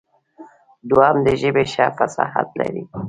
دوهم د ژبې ښه فصاحت لري.